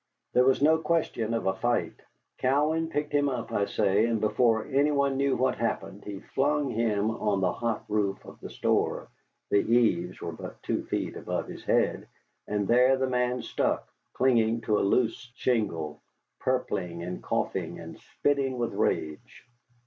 There was no question of a fight. Cowan picked him up, I say, and before any one knew what happened, he flung him on to the hot roof of the store (the eaves were but two feet above his head), and there the man stuck, clinging to a loose shingle, purpling and coughing and spitting with rage.